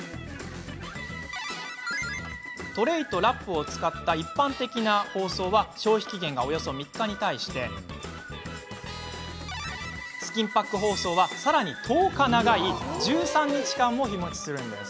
トレーとラップを使った一般的な包装は消費期限がおよそ３日に対しスキンパック包装はさらに１０日長い１３日間も、日もちするんです。